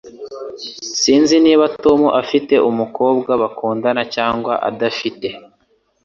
Sinzi niba Tom afite umukobwa bakundana cyangwa adafite.